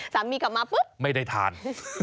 สามีกลับมาปุ๊บไม่ได้ทาน